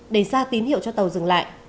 để ra tín hiệu cho tàu dừng lại